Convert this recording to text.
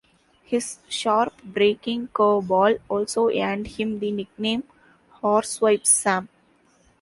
His sharp breaking curveball also earned him the nickname "Horsewhips Sam".